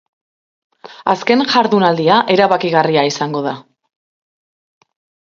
Azken jardunaldia erabakigarria izango da.